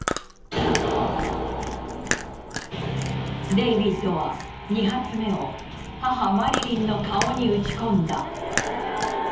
デイビッドは２発目を母マリリンの顔に撃ち込んだ。